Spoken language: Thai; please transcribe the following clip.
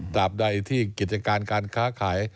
ตามใดที่กิจการการค้าขาย